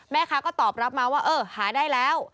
แม่ค้าก็ตอบรับมาว่าเออหาได้แล้ว